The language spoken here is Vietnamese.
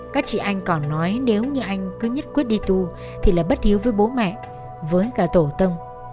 các chị anh còn nói nếu như anh cứ nhất quyết đi tu thì là bất hiếu với bố mẹ với cả tổ tông